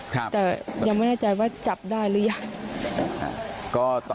แต่ยังไม่แน่ใจว่าจับได้หรือยัง